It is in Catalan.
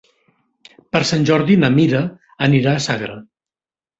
Per Sant Jordi na Mira anirà a Sagra.